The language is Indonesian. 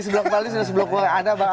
sebelum kepali sudah ada pak anek